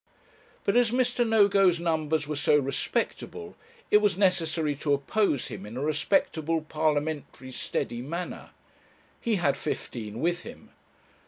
But as Mr. Nogo's numbers were so respectable, it was necessary to oppose him in a respectable parliamentary steady manner. He had fifteen with him!